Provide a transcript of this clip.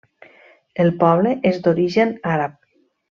El poble és d'origen àrab.